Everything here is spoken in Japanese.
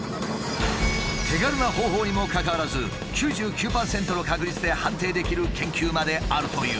手軽な方法にもかかわらず９９％の確率で判定できる研究まであるという。